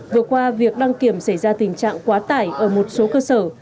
vừa qua việc đăng kiểm xảy ra tình trạng quá tải ở một số cơ sở